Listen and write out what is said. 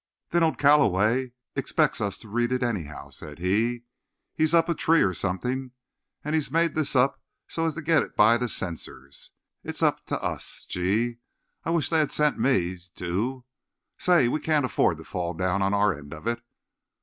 "Then old Calloway expects us to read it, anyhow," said he. "He's up a tree, or something, and he's made this up so as to get it by the censor. It's up to us. Gee! I wish they had sent me, too. Say—we can't afford to fall down on our end of it.